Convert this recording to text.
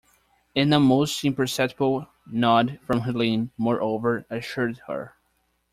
An almost imperceptible nod from Helene, moreover, assured her.